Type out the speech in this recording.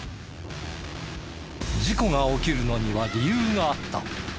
事故が起きるのには理由があった。